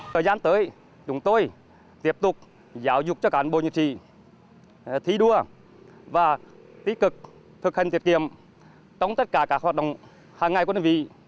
thời gian tới chúng tôi tiếp tục giáo dục cho cán bộ nhân sĩ thi đua và tích cực thực hành tiết kiệm trong tất cả các hoạt động hàng ngày của đơn vị